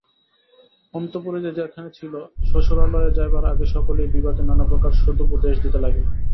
অন্তঃপুরে যে যেখানে ছিল, শ্বশুরালয়ে যাইবার আগে সকলেই বিভাকে নানাপ্রকার সদুপদেশ দিতে লাগিল।